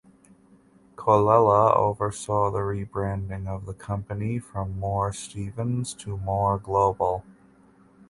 Colella oversaw the rebranding of the company from Moore Stephens to Moore Global.